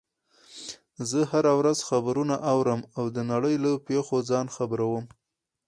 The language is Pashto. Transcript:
زه هره ورځ خبرونه اورم او د نړۍ له پیښو ځان خبر وم